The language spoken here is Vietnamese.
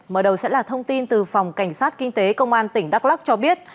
mở đầu sẽ là thông tin từ phòng cảnh sát kinh tế công an tỉnh đắk lắc cho biết